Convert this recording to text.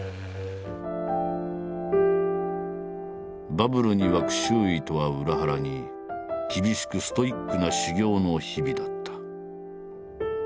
バブルに沸く周囲とは裏腹に厳しくストイックな修業の日々だった。